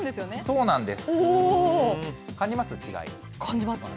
そうなんです。